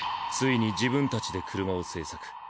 ついに自分たちで車を製作。